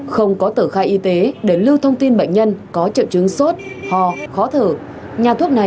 không có tờ khai y tế để lưu thông tin bệnh nhân có trợ chứng sốt hò khó thử